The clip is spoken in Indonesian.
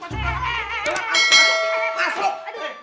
masuk masuk masuk masuk masuk kakak lo